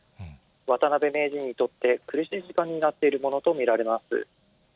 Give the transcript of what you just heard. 渡辺名人にとって苦しい時間になっているものと見られます。